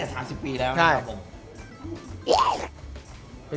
ตั้งแต่๓๐ปีแล้วนะครับผม